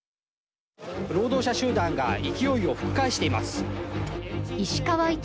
労働者集団が勢いを吹き返しています。